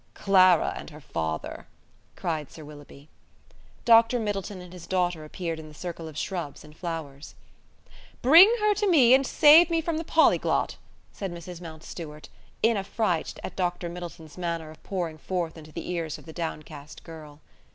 "Clara and her father!" cried Sir Willoughby. Dr Middleton and his daughter appeared in the circle of shrubs and flowers. "Bring her to me, and save me from the polyglot," said Mrs Mountstuart, in afright at Dr. Middleton's manner of pouring forth into the ears of the downcast girl.